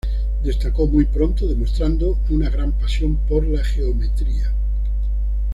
Destacó muy pronto, demostrando una gran pasión por la geometría.